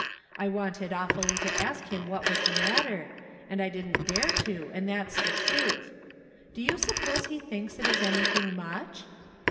I wanted awfully to ask him what was the mat ter, and I didn't dare to, and that's the truth. Do you suppose he thinks it is anything much?"